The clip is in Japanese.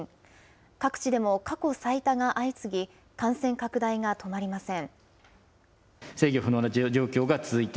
各地でも過去最多が相次ぎ、感染拡大が止まりません。